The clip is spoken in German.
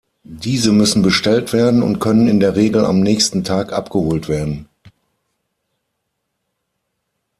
Diese müssen bestellt werden und können in der Regel am nächsten Tag abgeholt werden.